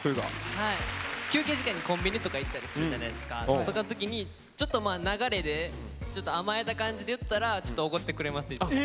休憩時間にコンビニとか行ったりするじゃないですか。とかの時にちょっと流れで甘えた感じで言ったらおごってくれますいつも。